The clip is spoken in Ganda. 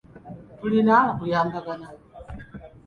Tulina okuyambagana.